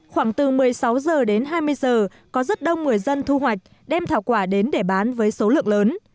khoảng từ một mươi sáu h đến hai mươi giờ có rất đông người dân thu hoạch đem thảo quả đến để bán với số lượng lớn